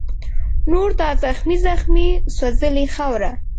نور دا زخمې زخمي سوځلې خاوره